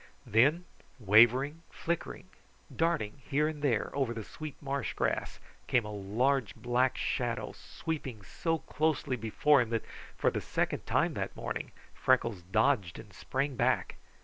Then, wavering, flickering, darting here and there over the sweet marsh grass, came a large black shadow, sweeping so closely before him that for the second time that morning Freckles dodged and sprang back.